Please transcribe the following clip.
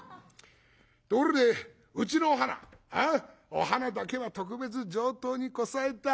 ところでうちのお花お花だけは特別上等にこさえた。